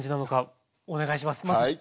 はい。